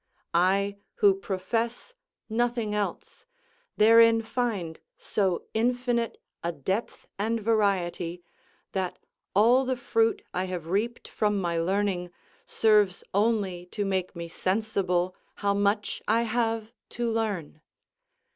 I, who profess nothing else, therein find so infinite a depth and variety, that all the fruit I have reaped from my learning serves only to make me sensible how much I have to learn.